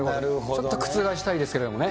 ちょっと覆したいですけどね。